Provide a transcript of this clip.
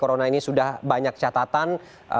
karena ini sudah banyak catatan